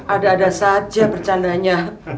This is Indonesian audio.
ada ada saja bercananya